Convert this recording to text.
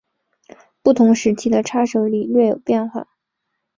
不同时期的叉手礼略有变化。